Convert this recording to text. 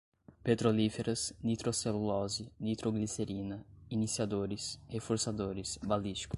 petrolíferas, nitrocelulose, nitroglicerina, iniciadores, reforçadores, balísticos